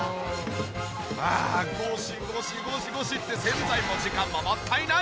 ああゴシゴシゴシゴシって洗剤も時間ももったいない！